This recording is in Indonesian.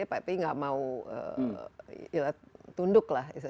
tapi nggak mau tunduk lah